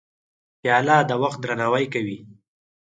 پیاله د وخت درناوی کوي.